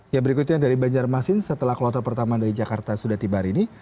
ya berikutnya dari banjarmasin setelah kloter pertama dari jakarta sudah tiba hari ini